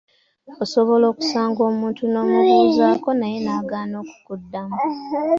Osobola okusanga omuntu n’omubuuzaako naye n'agaana okukuddamu.